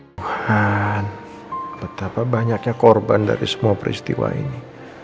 tuhan betapa banyaknya korban dari semua peristiwa ini